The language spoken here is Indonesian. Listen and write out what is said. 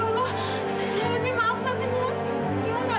beresin nih semua dapur saya